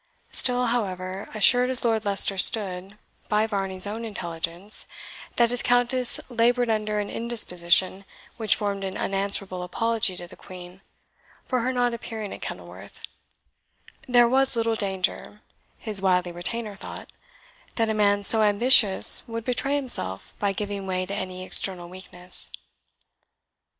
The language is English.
Still, however, assured as Lord Leicester stood, by Varney's own intelligence, that his Countess laboured under an indisposition which formed an unanswerable apology to the Queen for her not appearing at Kenilworth, there was little danger, his wily retainer thought, that a man so ambitious would betray himself by giving way to any external weakness.